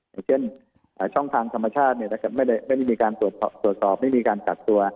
อย่างเช่นช่องทางธรรมชาติไม่ได้มีการตรวจสอบไม่มีการกักตัว